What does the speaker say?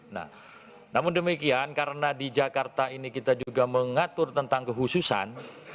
nah namun demikian karena di jakarta ini kita juga mengatur tentang kehususan